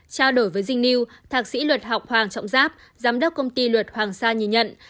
trao đổi với jing new thạc sĩ luật học hoàng trọng giáp giám đốc công ty luật hoàng sa nhìn nhận